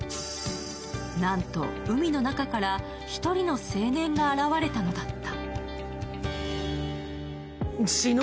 なんと、海の中から１人の青年が現れたのだった